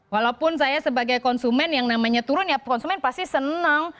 walaupun saya sebagai konsumen yang namanya turun ya konsumen pasti senang